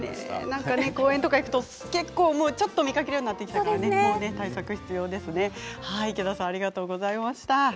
公園に行くと蚊をちょっと見かけるようになってきたので対策が必要ですね。